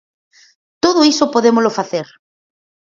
Todo iso podémolo facer.